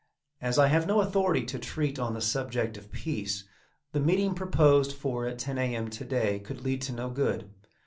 As I have no authority to treat on the subject of peace, the meeting proposed for at 10 a. m. to day could lead to no good.